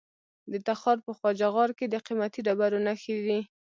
د تخار په خواجه غار کې د قیمتي ډبرو نښې دي.